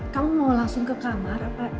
kamu mau langsung ke kamar apa